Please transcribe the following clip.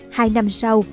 hai năm sau